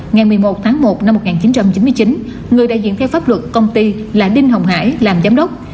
ngày một mươi một tháng một năm một nghìn chín trăm chín mươi chín người đại diện theo pháp luật công ty là đinh hồng hải làm giám đốc